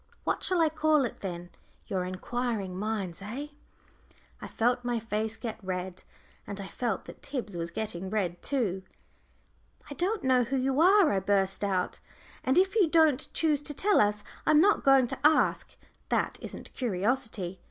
What shall I call it, then, your inquiring minds, eh?" I felt my face get red, and I felt that Tib's was getting red too. "I don't know who you are," I burst out, "and if you don't choose to tell us, I am not going to ask. That isn't curiosity.